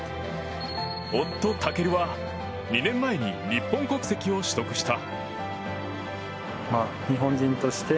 夫・尊は２年前に日本国籍を取得した。